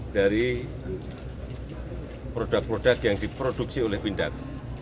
dari produk produk yang diproduksi oleh pindad